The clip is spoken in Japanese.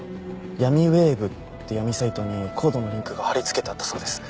「闇ウェーブ」って闇サイトにＣＯＤＥのリンクが張り付けてあったそうです。